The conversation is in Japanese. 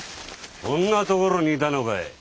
こんな所にいたのかい？